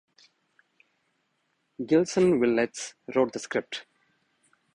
Gilson Willets wrote the script.